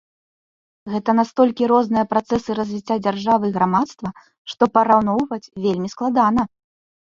Гэта настолькі розныя працэсы развіцця дзяржавы і грамадства, што параўноўваць вельмі складана.